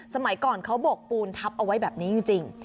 สมัยก่อนเขาบกปูนทับเอาไว้แบบนี้จริง